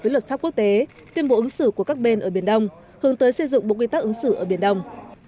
với nước châu tế tiến bộ ứng xử của các bên ở biển đông hướng tới xây dựng bộ quy tắc ứng xử ở biển đông